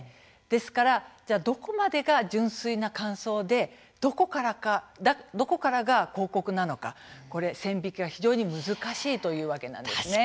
ですからどこまでが純粋な感想でどこからが広告なのかこれ線引きが非常に難しいというわけなんですね。